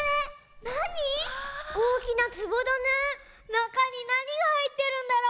なかになにがはいってるんだろう。